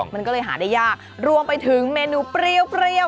มันก็เลยหาได้ยากรวมไปถึงเมนูเปรี้ยว